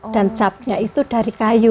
dan capnya itu dari kayu